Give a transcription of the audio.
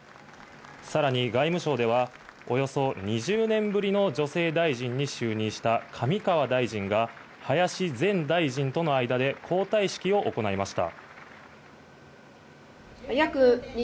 さらに外務省では、およそ２０年ぶりの女性大臣に就任した上川大臣が、林前大臣との間で交代式を行いました。